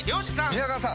宮川さん